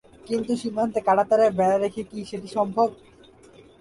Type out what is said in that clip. কিন্তু সীমান্তে কাঁটাতারের বেড়া রেখে কি সেটি সম্ভব